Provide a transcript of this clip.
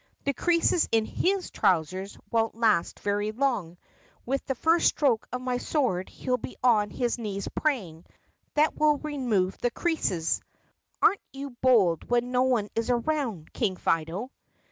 The creases in his trousers won't last very long. With the first stroke of my sword he 'll be on his knees pray ing. That will remove the creases." "Are n't you bold when no one is around, King Fido!"